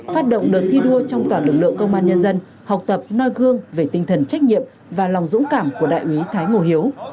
phát động đợt thi đua trong toàn lực lượng công an nhân dân học tập noi gương về tinh thần trách nhiệm và lòng dũng cảm của đại úy thái ngô hiếu